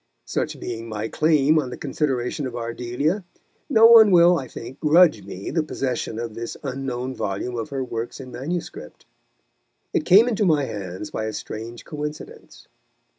Such being my claim on the consideration of Ardelia, no one will, I think, grudge me the possession of this unknown volume of her works in manuscript. It came into my hands by a strange coincidence.